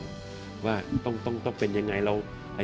ว่าต้องเป็นยังไง